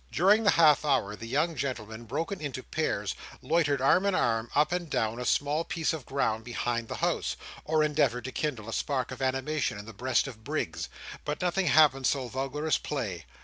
During the half hour, the young gentlemen, broken into pairs, loitered arm in arm up and down a small piece of ground behind the house, or endeavoured to kindle a spark of animation in the breast of Briggs. But nothing happened so vulgar as play.